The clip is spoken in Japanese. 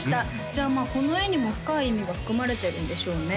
じゃあこの絵にも深い意味が含まれてるんでしょうね